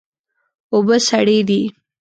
اوبه سړې دي.